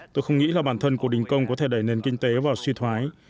tôi không nghĩ là bản thân cuộc đình công có thể đẩy nền kinh tế vào suy thoái